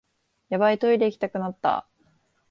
ヤバい、トイレ行きたくなった